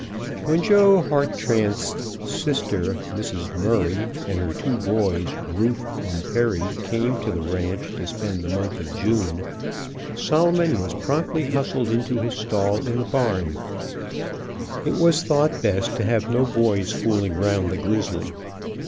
When Joe Hartranft's sister, Mrs. Murray, and her two boys, Rufe and Perry, came to the ranch to spend the month of June, Solomon was promptly hustled into his stall in the barn. It was thought best to have no boys fooling round the grizzly.